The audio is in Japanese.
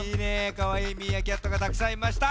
かわいいミーアキャットがたくさんいました。